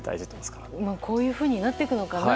こういうふうになっていくのかな。